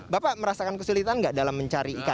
bapak merasakan kesulitan nggak dalam mencari ikan